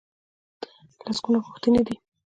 لسګونه غوښتنې دي.